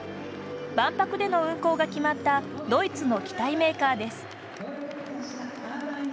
万博での運航が決まったドイツの機体メーカーです。